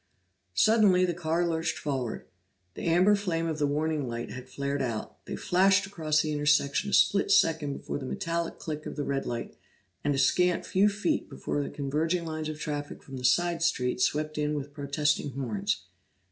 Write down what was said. Suddenly the car lurched forward. The amber flame of the warning light had flared out; they flashed across the intersection a split second before the metallic click of the red light, and a scant few feet before the converging lines of traffic from the side street swept in with protesting horns.